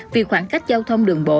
vì khoảng cách giao thông đường bộ